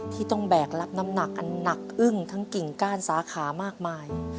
ที่ต้องแบกรับน้ำหนักอันหนักอึ้งทั้งกิ่งก้านสาขามากมาย